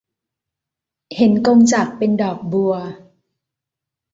เห็นกงจักรเป็นดอกบัว